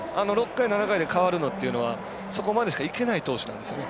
６回７回で代わるというのはそこまでしかいけない投手なんですね。